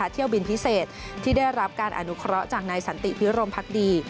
เที่ยวบินพิเศษที่ได้รับการอนุเคราะห์จากนายสันติพิรมพักดี